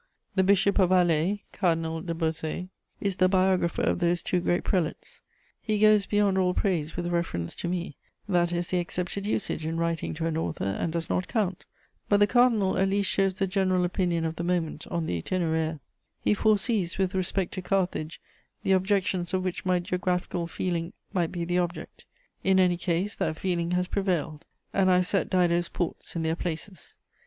The Bishop of Alais, Cardinal de Bausset, is the biographer of those two great prelates. He goes beyond all praise with reference to me: that is the accepted usage in writing to an author, and does not count; but the cardinal at least shows the general opinion of the moment on the Itinéraire: he foresees, with respect to Carthage, the objections of which my geographical feeling might be the object; in any case, that feeling has prevailed, and I have set Dido's ports in their places.